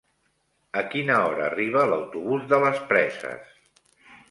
A quina hora arriba l'autobús de les Preses?